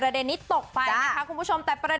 ประเด็นนี้ตกไปนะคะคุณผู้ชม